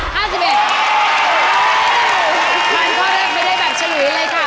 มันข้อแรกไม่ได้แบบฉลุยเลยค่ะ